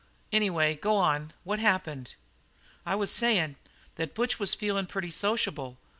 Anyway, go on. What happened?" "I was sayin' that Butch was feelin' pretty sociable.